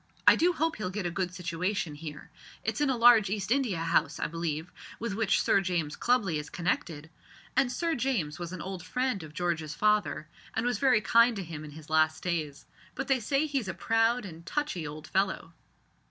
I do hope he'll get a good situation here. It's in a large East India house, I believe, with which Sir James Clubley is connected, and Sir James was an old friend of George's father, and was very kind to him in his last days, but they say he's a proud and touchy old fellow."